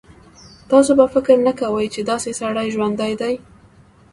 تاسو به فکر نه کوئ چې داسې سړی ژوندی دی.